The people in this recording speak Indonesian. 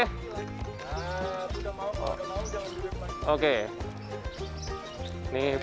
nah kuda mau kalau kuda mau jangan bergerak lagi